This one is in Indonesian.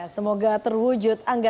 semoga terwujud angga